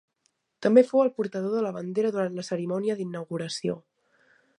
També fou el portador de la bandera durant la cerimònia d'inauguració.